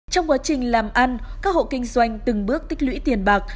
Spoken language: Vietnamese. trong quá trình làm ăn các hộ kinh doanh từng bước tích lũy tiền bạc